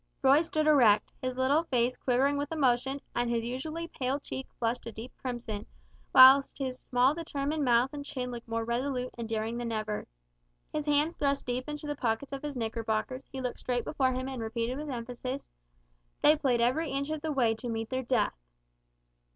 Roy stood erect, his little face quivering with emotion, and his usually pale cheek flushed a deep crimson, whilst his small determined mouth and chin looked more resolute and daring than ever. His hands thrust deep in the pockets of his knickerbockers he looked straight before him and repeated with emphasis, "They played every inch of the way to meet their death!"